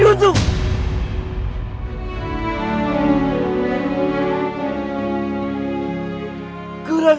secara masing masing sampai hari ini